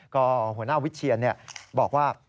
ก็หัวหน้าวิเชียนบอกว่า